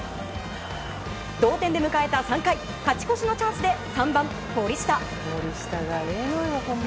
同点で迎えた３回勝ち越しのチャンスで３番、森下。